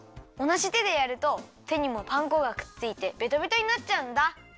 おなじてでやるとてにもパン粉がくっついてベタベタになっちゃうんだ。